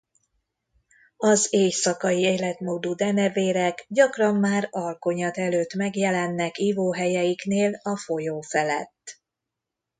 Az éjszakai életmódú denevérek gyakran már alkonyat előtt megjelennek ivó helyeiknél a folyó felett.